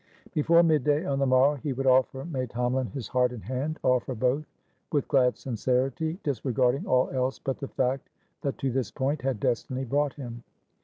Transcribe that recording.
Before mid day on the morrow, he would offer May Tomalin his heart and hand, offer both with glad sincerity, disregarding all else but the fact that to this point had destiny brought him.